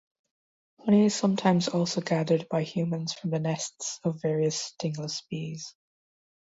Honey is sometimes also gathered by humans from the nests of various stingless bees.